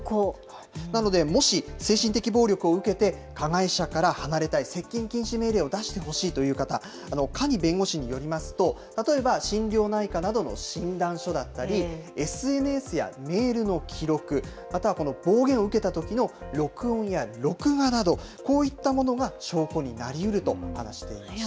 なので、もし、精神的暴力を受けて、加害者から離れたい、接近禁止命令を出してほしいという方、可児弁護士によりますと、例えば心療内科などの診断書だったり、ＳＮＳやメールの記録、または暴言を受けたときの録音や録画など、こういったものが証拠になりうると話していました。